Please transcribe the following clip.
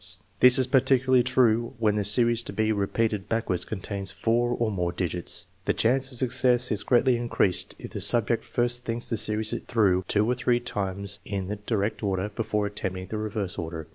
This is particularly true when the series to be repeated backwards contains four or more digits. The chance of success is greatly increased if the sub ject first thinks the series through two or three times in the direct order before attempting the reverse order.